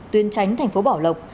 tuyên tránh thành phố bảo lộc